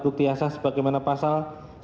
bukti asas bagaimana pasal